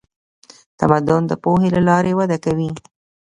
تمدن د پوهې له لارې وده کوي.